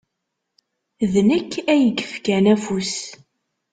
D nekk ay yefkan afus.